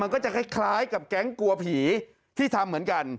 ก็จะคล้ายกับแก๊งกลัวผีที่ทำเหมือนกัน